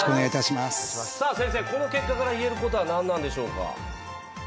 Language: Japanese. この結果から言えることはなんでしょうか。